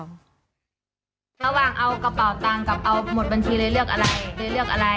ระหว่างเอากระเป๋าตังค์กับเอาหมดบัญชีเลยเลือกอะไรเลยเลือกอะไร